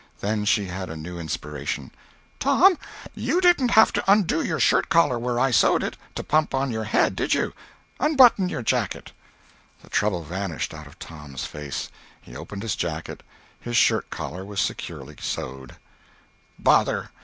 Then she had a new inspiration: "Tom, you didn't have to undo your shirt collar where I sewed it, to pump on your head, did you? Unbutton your jacket!" The trouble vanished out of Tom's face. He opened his jacket. His shirt collar was securely sewed. "Bother!